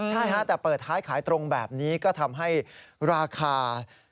ใช่ฮะแต่เปิดท้ายขายตรงแบบนี้ก็ทำให้ราคา